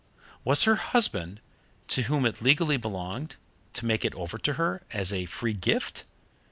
Was her husband, to whom it legally belonged, to make it over to her as a free gift?